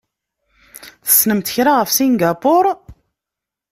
Tessnemt kra ɣef Singapur?